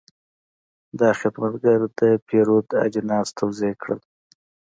دا خدمتګر د پیرود اجناس توضیح کړل.